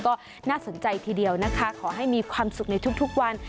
ก็น่าสนใจทีเดียวนะคะขอให้มีความสุขในทุกวัน